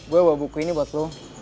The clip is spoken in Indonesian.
gue bawa buku ini buat lo